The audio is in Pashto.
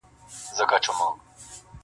زلمي- زلمي کلونه جهاني قبر ته توی سول-